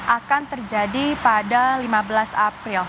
akan terjadi pada lima belas april